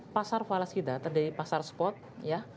pasar falas kita terdiri pasar spot ya